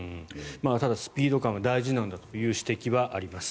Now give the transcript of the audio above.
ただ、スピード感は大事なんだという指摘はあります。